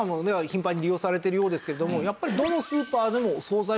頻繁に利用されてるようですけれどもやっぱりどのスーパーでも惣菜